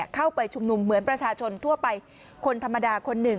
เข้าไปชุมนุมเหมือนประชาชนทั่วไปคนธรรมดาคนหนึ่ง